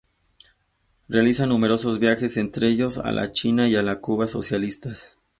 Realiza numerosos viajes, entre ellos a la China y a la Cuba socialistas.